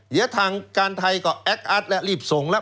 เหลือทางการไทยก็แอ๊กอัดและรีบส่งแล้ว